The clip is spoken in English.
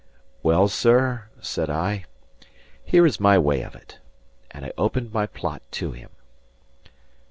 "Well, sir," said I, "here is my way of it." And I opened my plot to him.